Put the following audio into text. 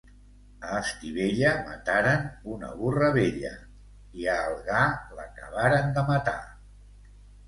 A Estivella mataren una burra vella i a Algar l'acabaren de matar.